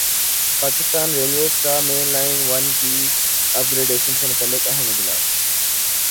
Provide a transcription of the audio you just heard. Pakistan railways کا main line one کی upgradation سے متعلق اہم اجلاس